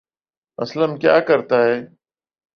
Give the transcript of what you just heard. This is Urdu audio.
اسلم کیا کرتا ہے